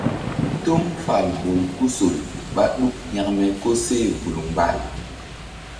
Toŋ fal bolkusol ɓá ɗuk hȩkme koseh vul mgbal.